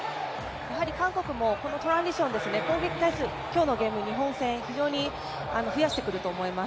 韓国もこのトランディション、攻撃に対する今日のゲーム、日本戦、非常に増やしてくると思います。